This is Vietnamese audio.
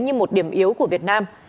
như một điểm yếu của việt nam